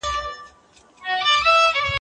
سوځیږم ستا په وړاندي چي لمبه به مي کوله